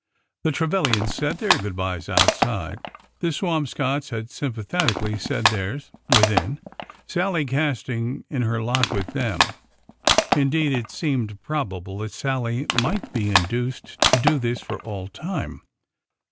The Trevilians said their good bys outside, the Swam scotts having sympathetically said theirs within, — Sallie casting in her lot with them. Indeed, it seemed probable that Sallie might be induced to do this for all time.